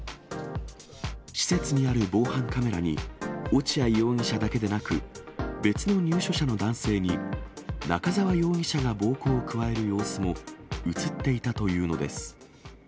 施設にある防犯カメラに、落合容疑者だけでなく、別の入所者の男性に、中沢容疑者が暴行を加える様子も写っていたというのです。